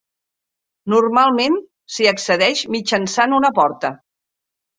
Normalment s'hi accedeix mitjançant una porta.